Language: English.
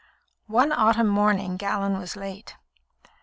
One autumn morning, Gallon was late.